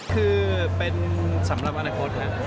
คือเป็นสำหรับอนาคต